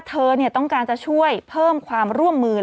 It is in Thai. เธอต้องการจะช่วยเพิ่มความร่วมมือ